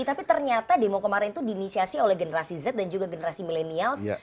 tapi ternyata demo kemarin itu diinisiasi oleh generasi z dan juga generasi milenials